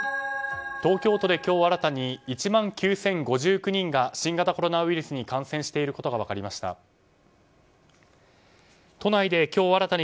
東京都で今日新たに１万９０５９人が新型コロナウイルスに感染していることが分かりました。